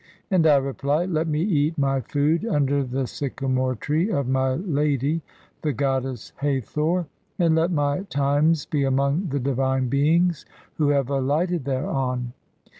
[And 1 reply:] Let "me eat my food under the sycamore tree (5) of my lady, the "goddess Hathor, and let my times be among the divine beings "who have alighted thereon.